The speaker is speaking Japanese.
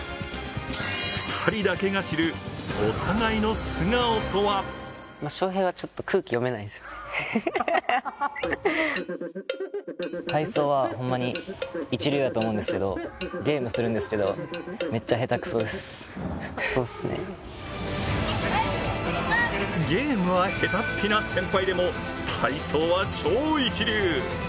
２人だけが知るお互いの素顔とはゲームは下手っぴな先輩でも体操は超一流。